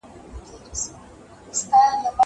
زه هره ورځ سړو ته خواړه ورکوم.